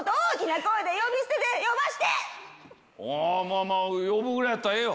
まぁまぁ呼ぶぐらいやったらええよ。